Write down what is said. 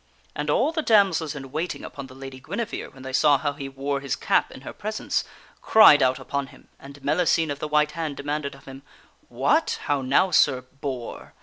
And all the damsels in waiting upon the Lady Guinevere, when they saw how he wore his cap in her presence, cried out upon him, and Mellicene of the White Hand demanded of him :" What ! How now, Sir boor !